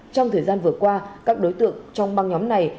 trong thời gian vừa qua các đối tượng trong băng nhóm này